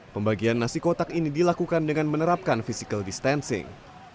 pembagian nasi kotak ini dilakukan dengan menerapkan physical distancing